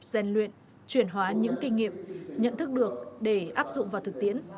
gian luyện chuyển hóa những kinh nghiệm nhận thức được để áp dụng vào thực tiễn